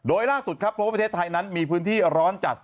โดยล่าสุดครับเพราะว่าประเทศไทยนั้นมีพื้นที่ร้อนจัด